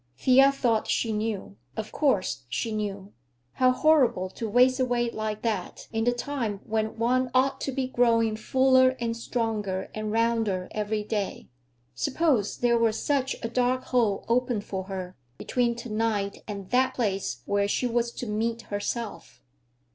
Thea thought she knew; of course, she knew. How horrible to waste away like that, in the time when one ought to be growing fuller and stronger and rounder every day. Suppose there were such a dark hole open for her, between to night and that place where she was to meet herself?